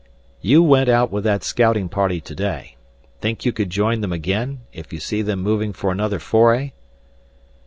"You went out with that scouting party today. Think you could join them again, if you see them moving for another foray?"